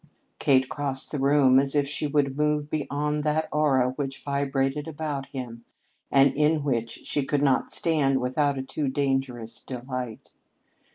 Kate crossed the room as if she would move beyond that aura which vibrated about him and in which she could not stand without a too dangerous delight.